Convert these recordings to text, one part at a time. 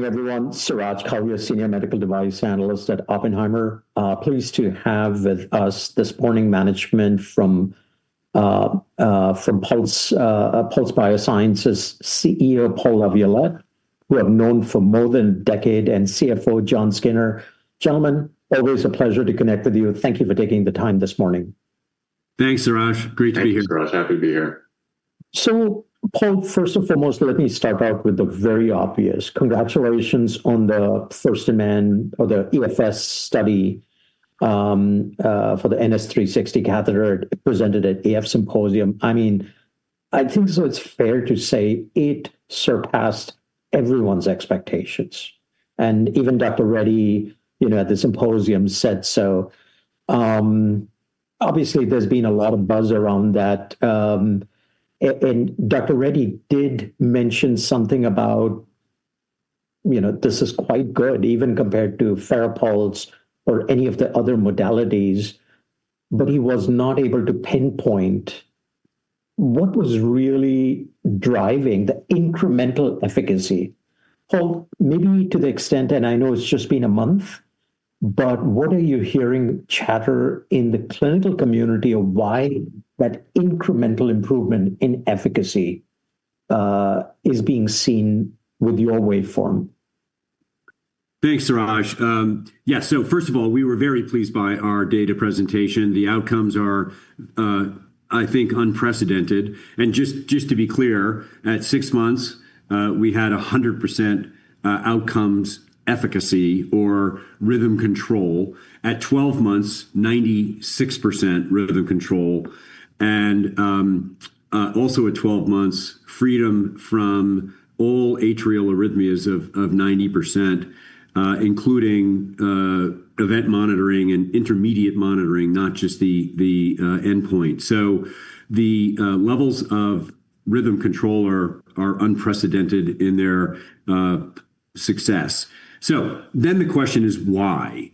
Good morning, everyone. Suraj Kalia, Senior Medical Device Analyst at Oppenheimer. Pleased to have with us this morning management from Pulse Biosciences CEO, Paul LaViolette, who I've known for more than a decade, and CFO, Jon Skinner. Gentlemen, always a pleasure to connect with you. Thank you for taking the time this morning. Thanks, Suraj. Great to be here. Thanks, Suraj. Happy to be here. Paul, first and foremost, let me start out with the very obvious. Congratulations on the first-in-man or the EFS study for the NS 360 catheter presented at AF Symposium. I mean, I think so it's fair to say it surpassed everyone's expectations. Even Dr. Reddy, you know, at the symposium said so. Obviously there's been a lot of buzz around that, and Dr. Reddy did mention something about, you know, this is quite good even compared to FARAPULSE or any of the other modalities, but he was not able to pinpoint what was really driving the incremental efficacy. Paul, maybe to the extent, and I know it's just been a month, but what are you hearing chatter in the clinical community of why that incremental improvement in efficacy is being seen with your waveform? Thanks, Suraj. Yeah. First of all, we were very pleased by our data presentation. The outcomes are, I think, unprecedented. Just to be clear, at six months, we had 100% outcomes efficacy or rhythm control. At 12 months, 96% rhythm control. Also at 12 months, freedom from all atrial arrhythmias of 90%, including event monitoring and intermediate monitoring, not just the endpoint. The levels of rhythm control are unprecedented in their success. Then the question is why?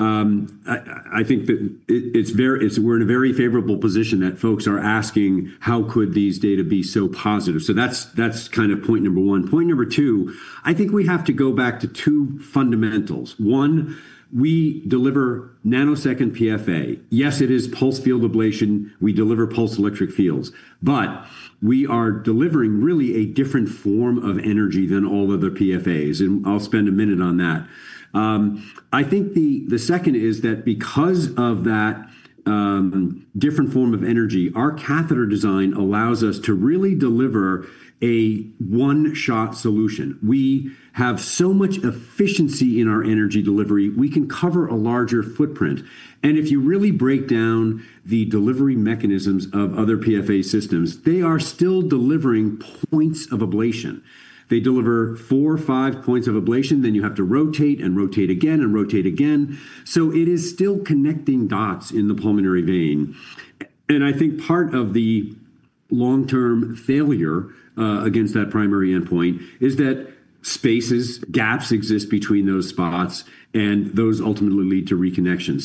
I think that it's very. We're in a very favorable position that folks are asking how could these data be so positive? That's kind of point number one. Point number two, I think we have to go back to two fundamentals. One, we deliver nanosecond PFA. Yes, it is pulsed field ablation. We deliver pulsed electric fields. But we are delivering really a different form of energy than all other PFAs, and I'll spend a minute on that. I think the second is that because of that different form of energy, our catheter design allows us to really deliver a one-shot solution. We have so much efficiency in our energy delivery, we can cover a larger footprint. If you really break down the delivery mechanisms of other PFA systems, they are still delivering points of ablation. They deliver four, five points of ablation, then you have to rotate and rotate again and rotate again. It is still connecting dots in the pulmonary vein. I think part of the long-term failure against that primary endpoint is that spaces, gaps exist between those spots and those ultimately lead to reconnection.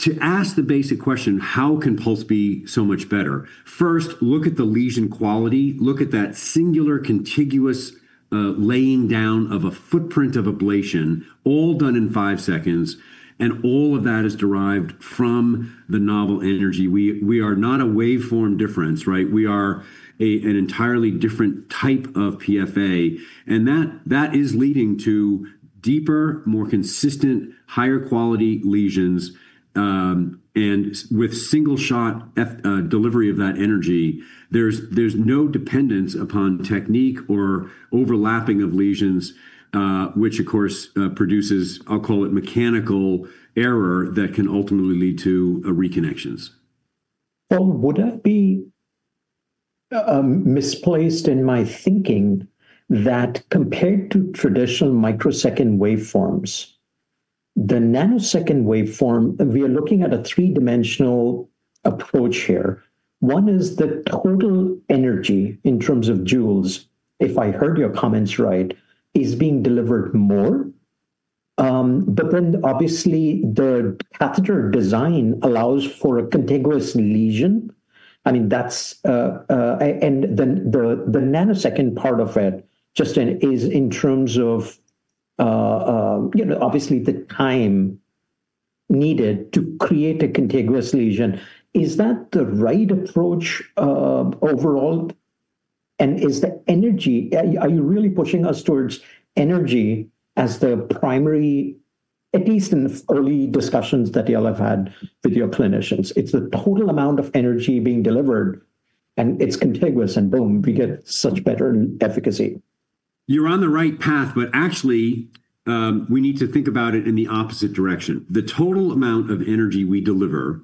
To ask the basic question, how can Pulse be so much better? First, look at the lesion quality. Look at that singular contiguous laying down of a footprint of ablation, all done in five seconds, and all of that is derived from the novel energy. We are not a waveform difference, right? We are an entirely different type of PFA. That is leading to deeper, more consistent, higher quality lesions, and with single shot delivery of that energy. There's no dependence upon technique or overlapping of lesions, which of course produces, I'll call it mechanical error that can ultimately lead to reconnections. Paul, would I be misplaced in my thinking that compared to traditional microsecond waveforms, the nanosecond waveform, we are looking at a three-dimensional approach here. One is the total energy in terms of joules, if I heard your comments right, is being delivered more. Obviously the catheter design allows for a contiguous lesion. I mean, that's and then the nanosecond part of it is in terms of, you know, obviously the time needed to create a contiguous lesion. Is that the right approach, overall? Are you really pushing us towards energy as the primary, at least in the early discussions that y'all have had with your clinicians? It's the total amount of energy being delivered, and it's contiguous and boom, we get such better efficacy. You're on the right path, but actually, we need to think about it in the opposite direction. The total amount of energy we deliver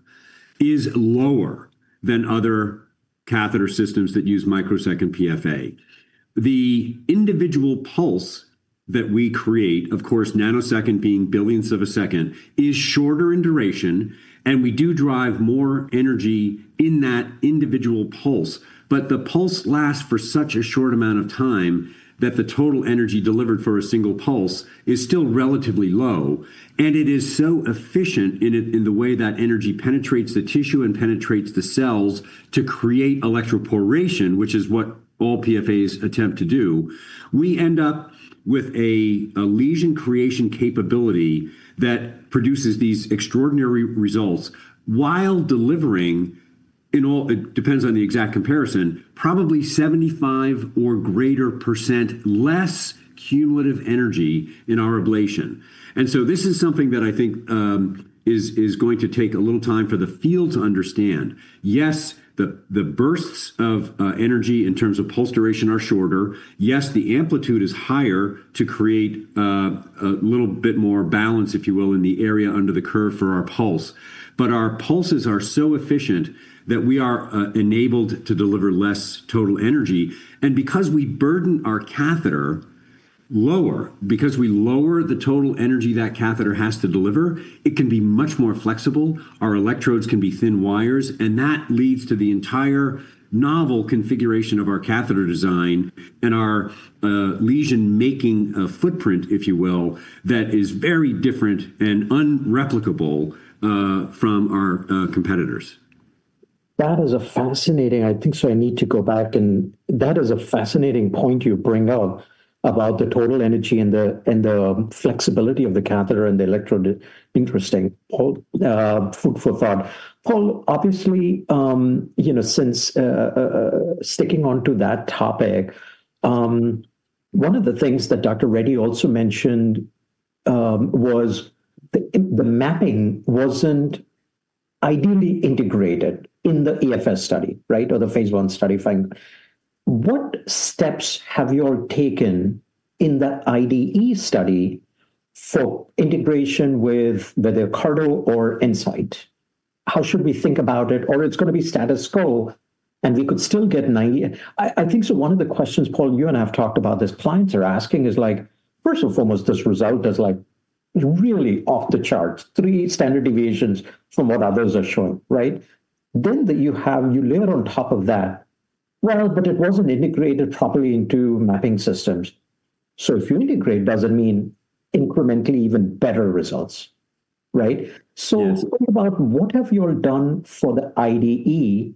is lower than other catheter systems that use microsecond PFA. The individual pulse that we create, of course, nanosecond being billionths of a second, is shorter in duration. We do drive more energy in that individual pulse, but the pulse lasts for such a short amount of time that the total energy delivered for a single pulse is still relatively low, and it is so efficient in the way that energy penetrates the tissue and penetrates the cells to create electroporation, which is what all PFAs attempt to do. We end up with a lesion creation capability that produces these extraordinary results while delivering, it depends on the exact comparison, probably 75% or greater less cumulative energy in our ablation. This is something that I think is going to take a little time for the field to understand. Yes, the bursts of energy in terms of pulse duration are shorter. Yes, the amplitude is higher to create a little bit more balance, if you will, in the area under the curve for our pulse. But our pulses are so efficient that we are enabled to deliver less total energy. Because we burden our catheter lower, because we lower the total energy that catheter has to deliver, it can be much more flexible. Our electrodes can be thin wires, and that leads to the entire novel configuration of our catheter design and our lesion-making footprint, if you will, that is very different and unreplicable from our competitors. That is a fascinating point you bring up about the total energy and the flexibility of the catheter and the electrode. Interesting. Paul, food for thought. Paul, obviously, you know, since sticking onto that topic, one of the things that Dr. Reddy also mentioned was the mapping wasn't ideally integrated in the EFS study, right? Or the phase one study finding. What steps have you all taken in that IDE study for integration with whether CARTO or EnSite? How should we think about it? Or it's going to be status quo, and we could still get 90. I think so, one of the questions, Paul, you and I have talked about this, clients are asking is like, first and foremost, this result is like really off the charts, three standard deviations from what others are showing, right? That you have, you layer on top of that, well, but it wasn't integrated properly into mapping systems. If you integrate, does it mean incrementally even better results, right? Yes. Think about what have you all done for the IDE,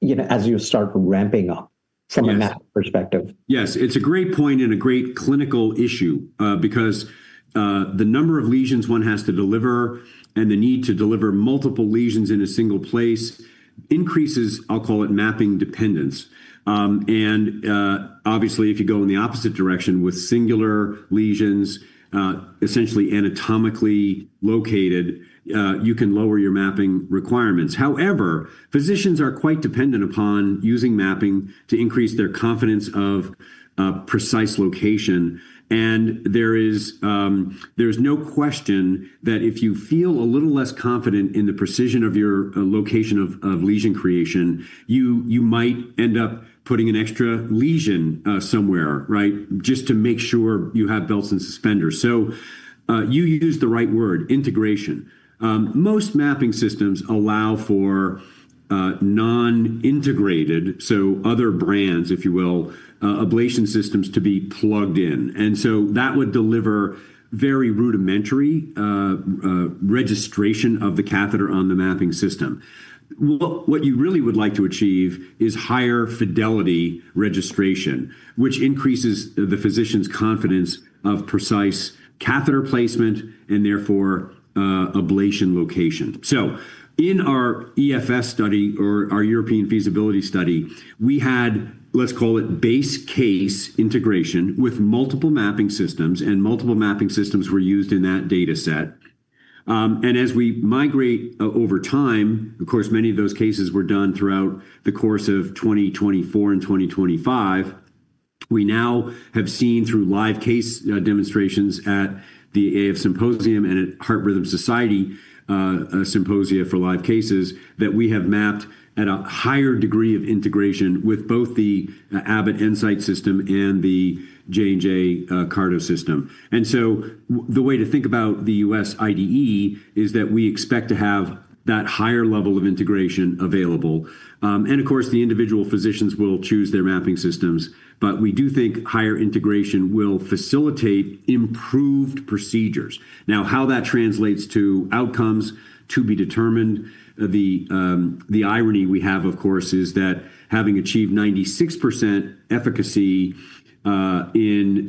you know, as you start ramping up. Yes. from a map perspective. Yes. It's a great point and a great clinical issue, because the number of lesions one has to deliver and the need to deliver multiple lesions in a single place increases, I'll call it mapping dependence. Obviously, if you go in the opposite direction with singular lesions, essentially anatomically located, you can lower your mapping requirements. However, physicians are quite dependent upon using mapping to increase their confidence of precise location. There's no question that if you feel a little less confident in the precision of your location of lesion creation, you might end up putting an extra lesion somewhere, right? Just to make sure you have belts and suspenders. You used the right word, integration. Most mapping systems allow for non-integrated, so other brands, if you will, ablation systems to be plugged in. That would deliver very rudimentary registration of the catheter on the mapping system. What you really would like to achieve is higher fidelity registration, which increases the physician's confidence of precise catheter placement and therefore ablation location. In our EFS study or our European feasibility study, we had, let's call it base case integration with multiple mapping systems, and multiple mapping systems were used in that dataset. As we migrate over time, of course, many of those cases were done throughout the course of 2024 and 2025. We now have seen through live case demonstrations at the AF Symposium and at Heart Rhythm Society symposia for live cases that we have mapped at a higher degree of integration with both the EnSite system and the J&J CARTO system. The way to think about the U.S. IDE is that we expect to have that higher level of integration available. Of course, the individual physicians will choose their mapping systems. We do think higher integration will facilitate improved procedures. Now, how that translates to outcomes to be determined. The irony we have, of course, is that having achieved 96% efficacy in,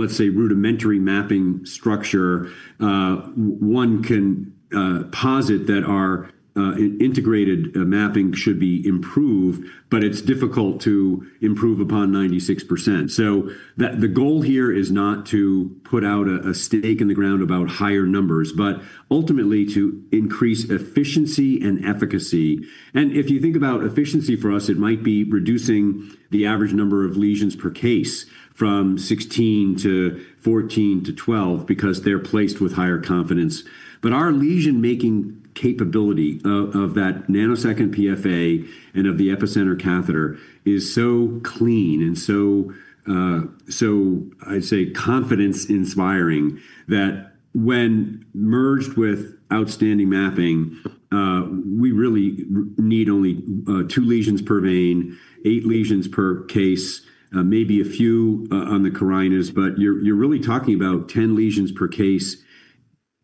let's say, rudimentary mapping structure, one can posit that our integrated mapping should be improved, but it's difficult to improve upon 96%. The goal here is not to put out a stake in the ground about higher numbers, but ultimately to increase efficiency and efficacy. If you think about efficiency for us, it might be reducing the average number of lesions per case from 16 to 14 to 12 because they're placed with higher confidence. Our lesion-making capability of that nanosecond PFA and of the Epicenter catheter is so clean and so I'd say confidence-inspiring that when merged with outstanding mapping, we really need only two lesions per vein, eight lesions per case, maybe a few on the carinas, but you're really talking about 10 lesions per case.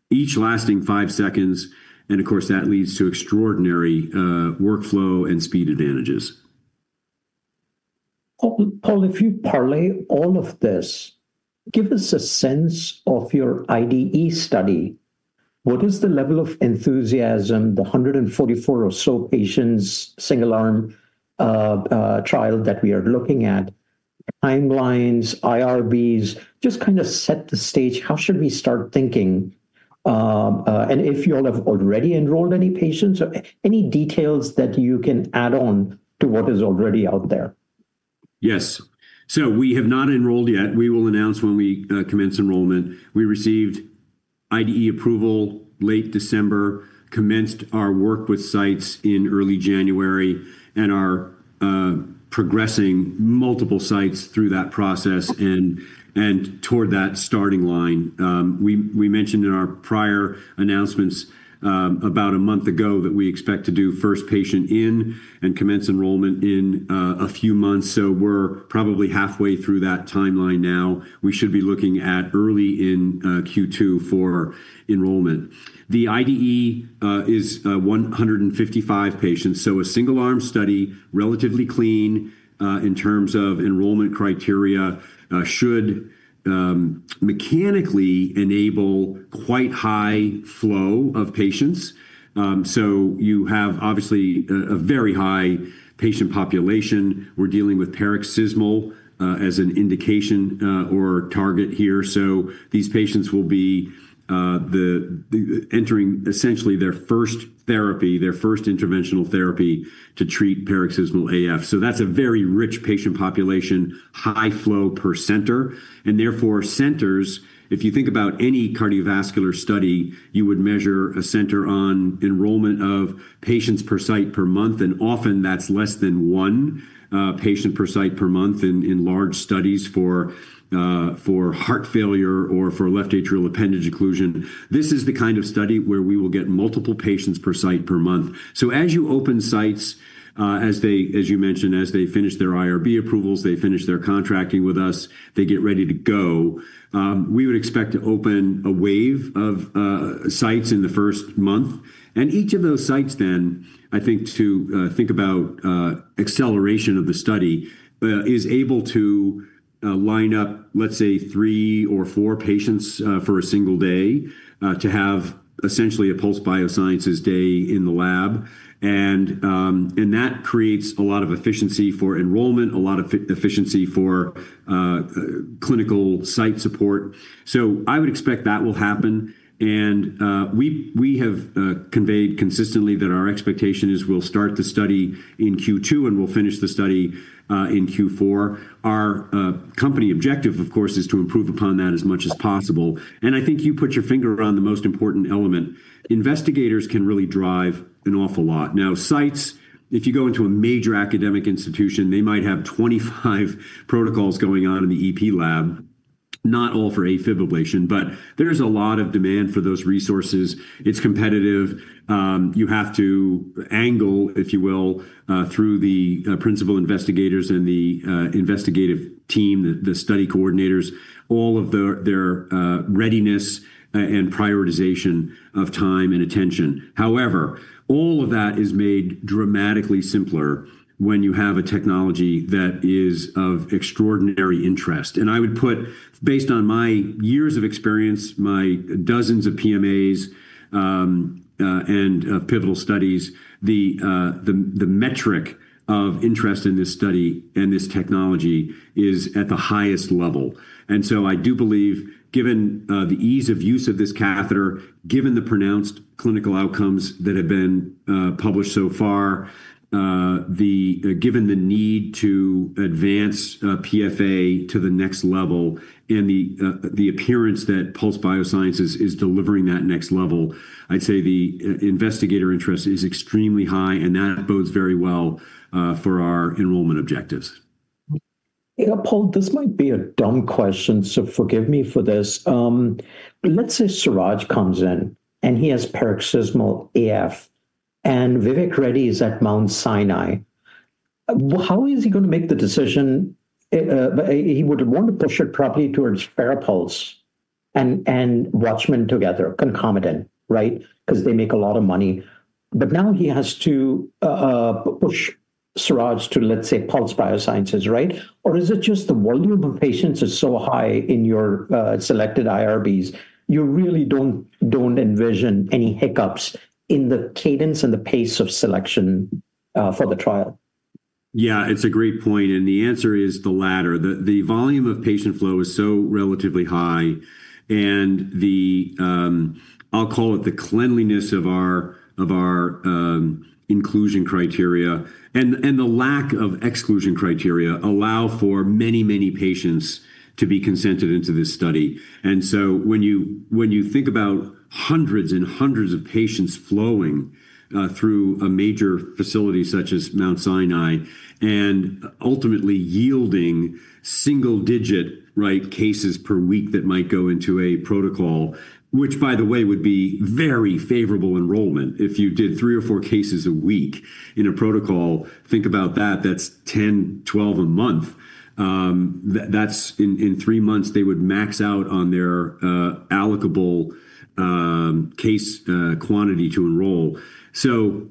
Each lasting five seconds, and of course, that leads to extraordinary workflow and speed advantages. Paul, if you parlay all of this, give us a sense of your IDE study. What is the level of enthusiasm, the 144 or so patients, single arm trial that we are looking at, timelines, IRBs? Just kind of set the stage, how should we start thinking? If you all have already enrolled any patients or any details that you can add on to what is already out there. Yes. We have not enrolled yet. We will announce when we commence enrollment. We received IDE approval late December, commenced our work with sites in early January, and are progressing multiple sites through that process and toward that starting line. We mentioned in our prior announcements about a month ago that we expect to do first patient in and commence enrollment in a few months, so we're probably halfway through that timeline now. We should be looking at early in Q2 for enrollment. The IDE is 155 patients. A single-arm study, relatively clean in terms of enrollment criteria, should mechanically enable quite high flow of patients. You have obviously a very high patient population. We're dealing with paroxysmal as an indication or target here. These patients will be entering essentially their first therapy, their first interventional therapy to treat paroxysmal AF. That's a very rich patient population, high flow per center. Therefore, centers, if you think about any cardiovascular study, you would measure a center on enrollment of patients per site per month, and often that's less than one patient per site per month in large studies for heart failure or for left atrial appendage occlusion. This is the kind of study where we will get multiple patients per site per month. As you open sites, as they, as you mentioned, as they finish their IRB approvals, they finish their contracting with us, they get ready to go, we would expect to open a wave of sites in the first month. Each of those sites then, I think to think about acceleration of the study, is able to line up, let's say, three or four patients for a single day to have essentially a Pulse Biosciences day in the lab. That creates a lot of efficiency for enrollment, a lot of efficiency for clinical site support. I would expect that will happen. We have conveyed consistently that our expectation is we'll start the study in Q2, and we'll finish the study in Q4. Our company objective, of course, is to improve upon that as much as possible. I think you put your finger on the most important element. Investigators can really drive an awful lot. Now, sites, if you go into a major academic institution, they might have 25 protocols going on in the EP lab, not all for AFib ablation, but there is a lot of demand for those resources. It's competitive. You have to angle, if you will, through the principal investigators and the investigative team, the study coordinators, all of their readiness and prioritization of time and attention. However, all of that is made dramatically simpler when you have a technology that is of extraordinary interest. I would put, based on my years of experience, my dozens of PMAs and pivotal studies, the metric of interest in this study and this technology is at the highest level. I do believe, given the ease of use of this catheter, given the pronounced clinical outcomes that have been published so far, given the need to advance PFA to the next level and the appearance that Pulse Biosciences is delivering that next level, I'd say the investigator interest is extremely high, and that bodes very well for our enrollment objectives. Yeah, Paul, this might be a dumb question, so forgive me for this. Let's say Suraj comes in, and he has paroxysmal AF, and Vivek Reddy is at Mount Sinai. How is he gonna make the decision? He would want to push it probably towards FARAPULSE and Watchman together, concomitant, right? 'Cause they make a lot of money. Now he has to push Suraj to, let's say, Pulse Biosciences, right? Is it just the volume of patients is so high in your selected IRBs, you really don't envision any hiccups in the cadence and the pace of selection for the trial? Yeah, it's a great point, and the answer is the latter. The volume of patient flow is so relatively high and I'll call it the cleanliness of our inclusion criteria and the lack of exclusion criteria allow for many patients to be consented into this study. When you think about hundreds of patients flowing through a major facility such as Mount Sinai and ultimately yielding single digit right cases per week that might go into a protocol, which by the way, would be very favorable enrollment. If you did three or four cases a week in a protocol, think about that's 10, 12 a month. That's in three months, they would max out on their allocable case quantity to enroll.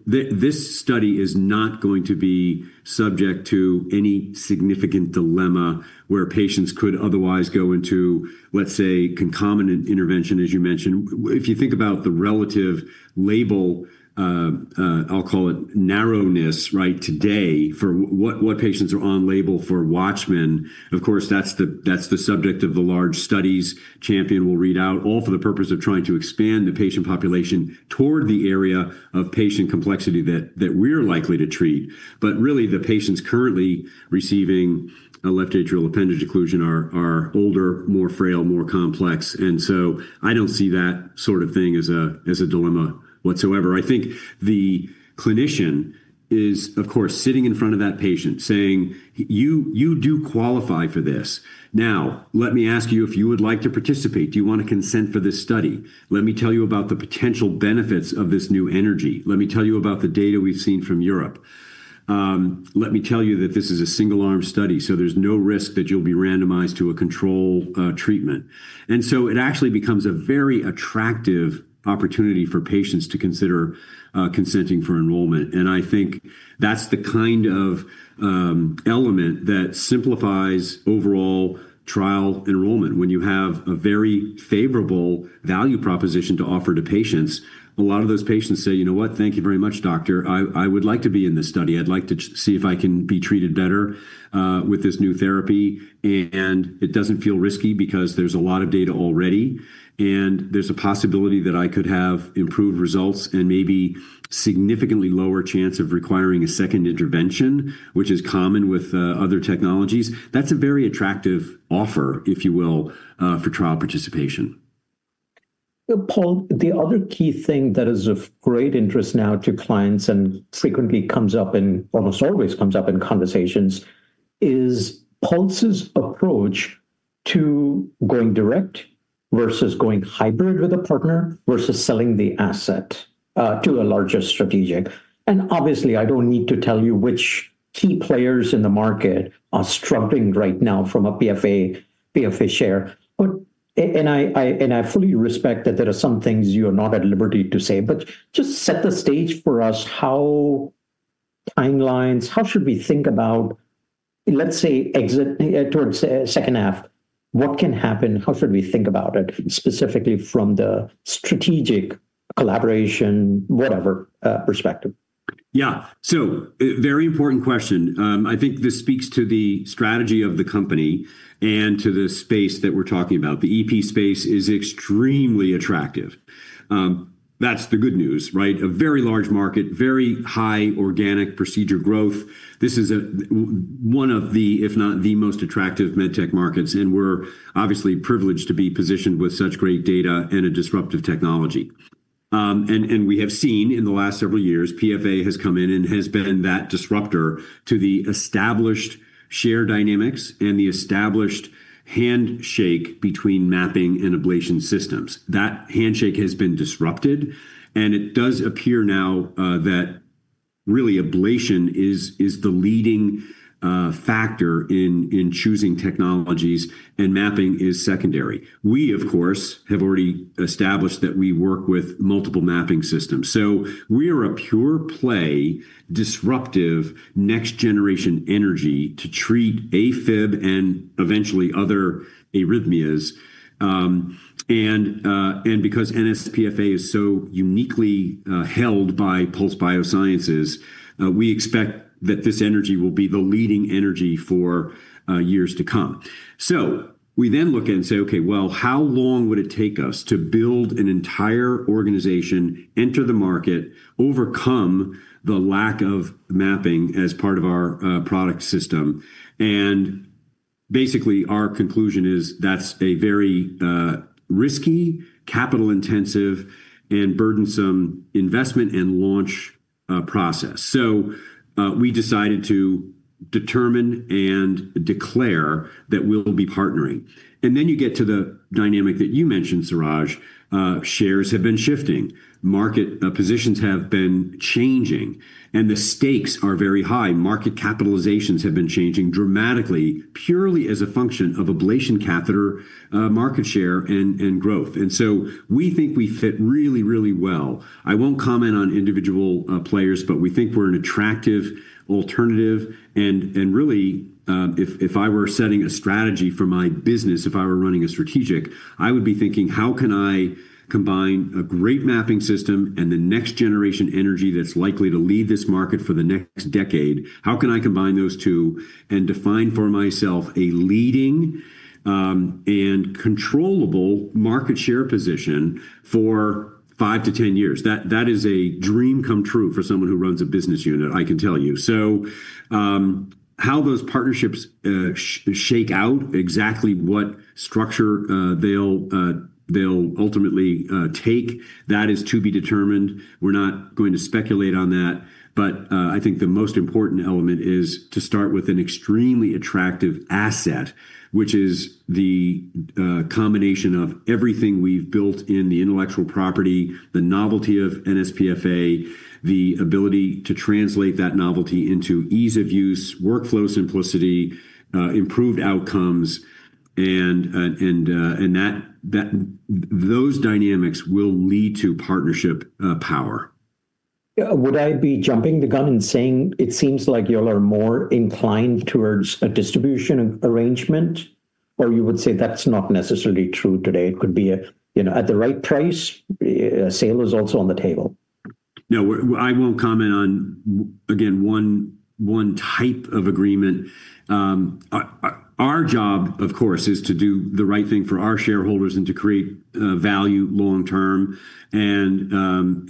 This study is not going to be subject to any significant dilemma where patients could otherwise go into, let's say, concomitant intervention, as you mentioned. If you think about the relative label, I'll call it narrowness right today for what patients are on label for Watchman. Of course, that's the subject of the large studies CHAMPION-AF will read out, all for the purpose of trying to expand the patient population toward the area of patient complexity that we're likely to treat. But really, the patients currently receiving a left atrial appendage occlusion are older, more frail, more complex. I don't see that sort of thing as a dilemma whatsoever. I think the clinician is of course, sitting in front of that patient saying, "You do qualify for this. Now, let me ask you if you would like to participate. Do you want to consent for this study? Let me tell you about the potential benefits of this new energy. Let me tell you about the data we've seen from Europe. Let me tell you that this is a single-arm study, so there's no risk that you'll be randomized to a control treatment. It actually becomes a very attractive opportunity for patients to consider consenting for enrollment. I think that's the kind of element that simplifies overall trial enrollment. When you have a very favorable value proposition to offer to patients, a lot of those patients say, "You know what? Thank you very much, doctor. I would like to be in this study. I'd like to see if I can be treated better with this new therapy. It doesn't feel risky because there's a lot of data already, and there's a possibility that I could have improved results and maybe significantly lower chance of requiring a second intervention, which is common with other technologies." That's a very attractive offer, if you will, for trial participation. Paul, the other key thing that is of great interest now to clients and almost always comes up in conversations is Pulse's approach to going direct versus going hybrid with a partner versus selling the asset to a larger strategic. Obviously, I don't need to tell you which key players in the market are struggling right now from a PFA share. I fully respect that there are some things you are not at liberty to say, but just set the stage for us how timelines, how should we think about, let's say, exit toward second half? What can happen? How should we think about it specifically from the strategic collaboration, whatever perspective? Yeah. Very important question. I think this speaks to the strategy of the company and to the space that we're talking about. The EP space is extremely attractive. That's the good news, right? A very large market, very high organic procedure growth. This is one of the, if not the most attractive med tech markets, and we're obviously privileged to be positioned with such great data and a disruptive technology. We have seen in the last several years, PFA has come in and has been that disruptor to the established share dynamics and the established handshake between mapping and ablation systems. That handshake has been disrupted, and it does appear now that really ablation is the leading factor in choosing technologies and mapping is secondary. We of course have already established that we work with multiple mapping systems. We are a pure play disruptive next generation energy to treat AFib and eventually other arrhythmias. Because NSPFA is so uniquely held by Pulse Biosciences, we expect that this energy will be the leading energy for years to come. We then look and say, "Okay, well, how long would it take us to build an entire organization, enter the market, overcome the lack of mapping as part of our product system?" Basically, our conclusion is that's a very risky, capital intensive and burdensome investment and launch process. We decided to determine and declare that we'll be partnering. Then you get to the dynamic that you mentioned, Suraj. Shares have been shifting, market positions have been changing, and the stakes are very high. Market capitalizations have been changing dramatically, purely as a function of ablation catheter market share and growth. We think we fit really, really well. I won't comment on individual players, but we think we're an attractive alternative. Really, if I were setting a strategy for my business, if I were running a strategic, I would be thinking, how can I combine a great mapping system and the next generation energy that's likely to lead this market for the next decade? How can I combine those two and define for myself a leading and controllable market share position for five to 10 years? That is a dream come true for someone who runs a business unit, I can tell you. How those partnerships shake out exactly what structure they'll ultimately take, that is to be determined. We're not going to speculate on that. I think the most important element is to start with an extremely attractive asset, which is the combination of everything we've built in the intellectual property, the novelty of NSPFA, the ability to translate that novelty into ease of use, workflow simplicity, improved outcomes and that those dynamics will lead to partnership power. Yeah. Would I be jumping the gun in saying it seems like you all are more inclined towards a distribution arrangement? Or you would say that's not necessarily true today, it could be a, you know, sale is also on the table. No. I won't comment on again, one type of agreement. Our job, of course, is to do the right thing for our shareholders and to create value long term. In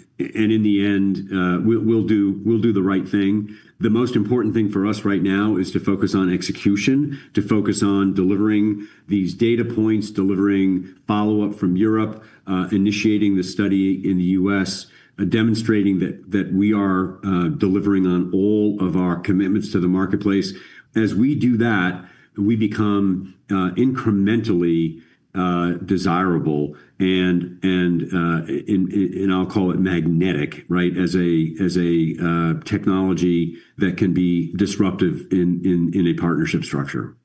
the end, we'll do the right thing. The most important thing for us right now is to focus on execution, to focus on delivering these data points, delivering follow-up from Europe, initiating the study in the U.S., demonstrating that we are delivering on all of our commitments to the marketplace. As we do that, we become incrementally desirable and I'll call it magnetic, right, as a technology that can be disruptive in a partnership structure.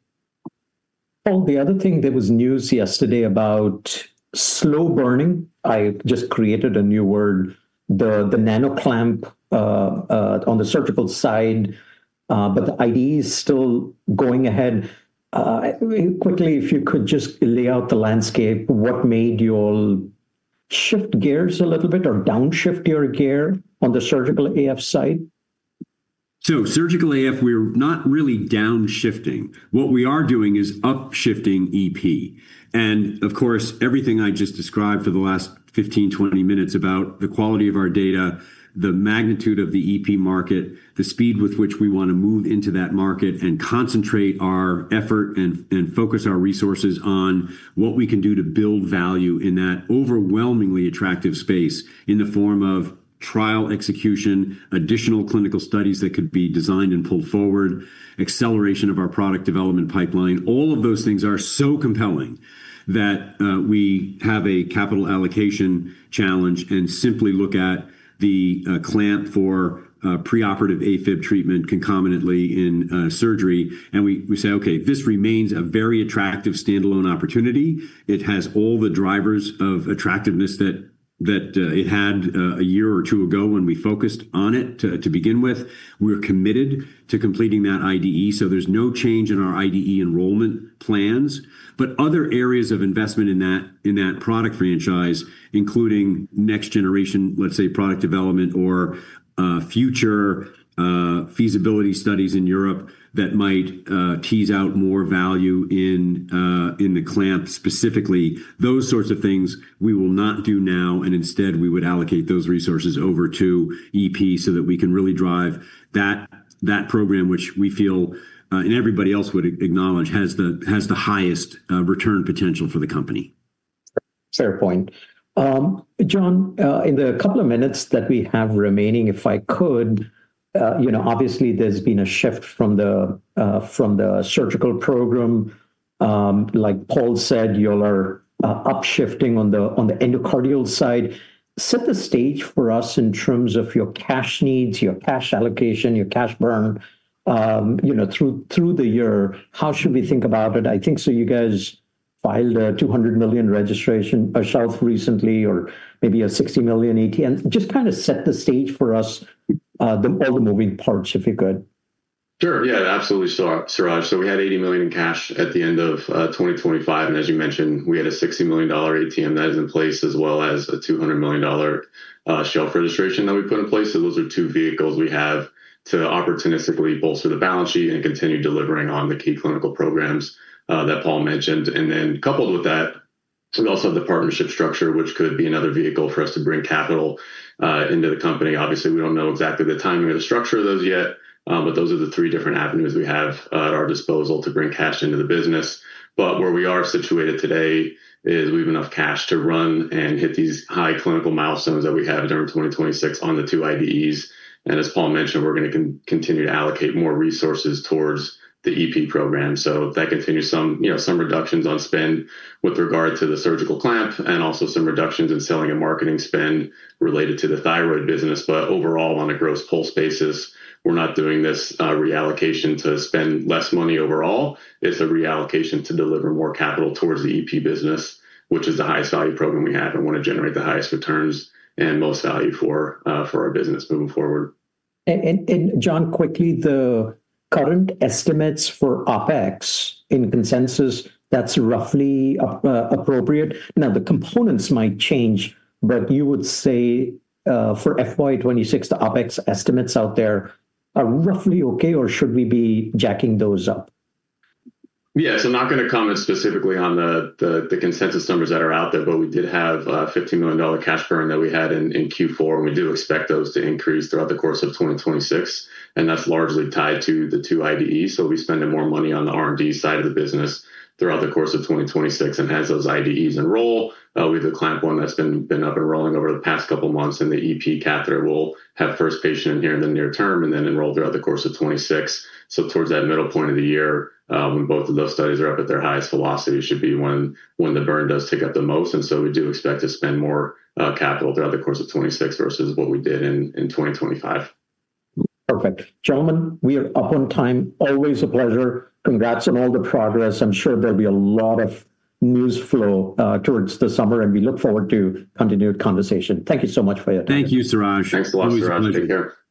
Paul, the other thing that was news yesterday about slow burning, I just created a new word, the nano-clamp on the surgical side, but the IDE is still going ahead. Quickly, if you could just lay out the landscape, what made you all shift gears a little bit or downshift your gear on the surgical AF side? Surgical AF, we're not really downshifting. What we are doing is upshifting EP. Of course, everything I just described for the last 15, 20 minutes about the quality of our data, the magnitude of the EP market, the speed with which we wanna move into that market and concentrate our effort and focus our resources on what we can do to build value in that overwhelmingly attractive space in the form of trial execution, additional clinical studies that could be designed and pulled forward, acceleration of our product development pipeline. All of those things are so compelling that we have a capital allocation challenge and simply look at the clamp for preoperative AFib treatment concomitantly in surgery. We say, "Okay, this remains a very attractive standalone opportunity. It has all the drivers of attractiveness that it had a year or two ago when we focused on it to begin with. We're committed to completing that IDE. There's no change in our IDE enrollment plans. Other areas of investment in that product franchise, including next generation, let's say, product development or future feasibility studies in Europe that might tease out more value in the clamp specifically, those sorts of things we will not do now, and instead we would allocate those resources over to EP so that we can really drive that program which we feel and everybody else would acknowledge has the highest return potential for the company. Fair point. Jon, in the couple of minutes that we have remaining, if I could, you know, obviously there's been a shift from the, from the surgical program. Like Paul said, you all are upshifting on the endocardial side. Set the stage for us in terms of your cash needs, your cash allocation, your cash burn, you know, through the year. How should we think about it? I think you guys filed a $200 million registration shelf recently, or maybe a $60 million ATM. Just kinda set the stage for us, all the moving parts, if you could. Sure. Yeah, absolutely, Suraj. We had $80 million in cash at the end of 2025. As you mentioned, we had a $60 million ATM that is in place, as well as a $200 million shelf registration that we put in place. Those are two vehicles we have to opportunistically bolster the balance sheet and continue delivering on the key clinical programs that Paul mentioned. Coupled with that, we also have the partnership structure, which could be another vehicle for us to bring capital into the company. Obviously, we don't know exactly the timing or the structure of those yet, but those are the three different avenues we have at our disposal to bring cash into the business. Where we are situated today is we have enough cash to run and hit these high clinical milestones that we have during 2026 on the two IDEs. As Paul mentioned, we're gonna continue to allocate more resources towards the EP program. That continues some, you know, some reductions on spend with regard to the surgical clamp and also some reductions in selling and marketing spend related to the thyroid business. Overall, on a gross Pulse basis, we're not doing this reallocation to spend less money overall. It's a reallocation to deliver more capital towards the EP business, which is the highest value program we have and wanna generate the highest returns and most value for our business moving forward. Jon, quickly, the current estimates for OpEx in consensus, that's roughly appropriate. Now, the components might change, but you would say, for FY 2026, the OpEx estimates out there are roughly okay, or should we be jacking those up? Yeah. Not gonna comment specifically on the consensus numbers that are out there, but we did have a $15 million cash burn that we had in Q4, and we do expect those to increase throughout the course of 2026, and that's largely tied to the two IDEs. We'll be spending more money on the R&D side of the business throughout the course of 2026. As those IDEs enroll, we have a clamp one that's been up and rolling over the past couple months, and the EP catheter will have first patient in here in the near term and then enroll throughout the course of 2026. Towards that middle point of the year, when both of those studies are up at their highest velocity should be when the burn does tick up the most. We do expect to spend more capital throughout the course of 2026 versus what we did in 2025. Perfect. Gentlemen, we are up on time. Always a pleasure. Congrats on all the progress. I'm sure there'll be a lot of news flow towards the summer, and we look forward to continued conversation. Thank you so much for your time. Thank you, Suraj. Thanks a lot, Suraj. Take care. Take care.